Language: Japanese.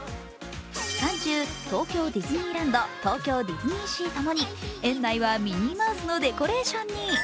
期間中、東京ディズニーランド、東京ディズニーシー共に園内はミニーマウスのデコレーションに。